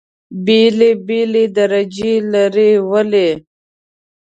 بېلې بېلې درجې لري. ولې؟